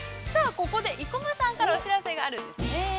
ここで生駒さんからお知らせがあるんですね。